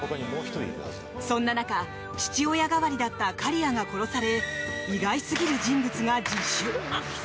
そんな中、父親代わりだった刈谷が殺され意外すぎる人物が自首。